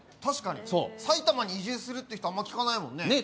確かに埼玉に移住するって人あんま聞かないもんね。